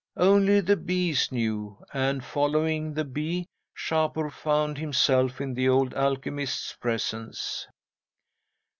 Only the bees knew, and, following the bee, Shapur found himself in the old alchemist's presence.